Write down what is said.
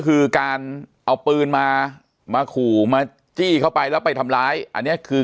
คือการเอาปืนมามาขู่มาจี้เข้าไปแล้วไปทำร้ายอันนี้คือ